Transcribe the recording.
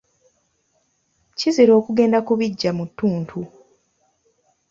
Kizira okugenda ku biggya mu ttuntu.